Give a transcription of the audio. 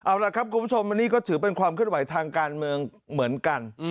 เอาล่ะครับคุณผู้ชมอันนี้ก็ถือเป็นความเคลื่อนไหวทางการเมืองเหมือนกัน